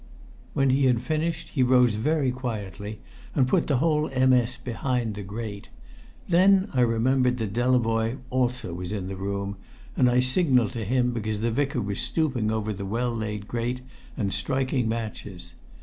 When he had finished he rose very quietly and put the whole MS. behind the grate. Then I remembered that Delavoye also was in the room, and I signalled to him because the Vicar was stooping over the well laid grate and striking matches.